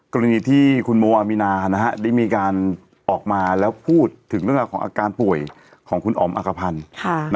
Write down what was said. กรณีที่คุณโมอามีนาได้มีการออกมาแล้วพูดถึงเรื่องราวของอาการป่วยของคุณอ๋อมอักภัณฑ์